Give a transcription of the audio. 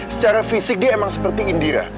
secara fisik dia emang seperti india